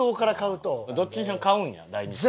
どっちにしろ買うんや大日如来。